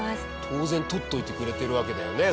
当然撮っておいてくれてるわけだよね。